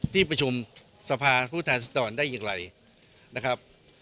ที่ประชุมสภาผู้แทนสดรได้อย่างไรนะครับ